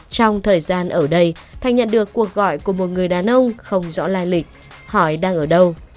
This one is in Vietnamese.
trong thời gian ở đây thành nhận được cuộc gọi của một người đàn ông không rõ lai lịch hỏi đang ở đâu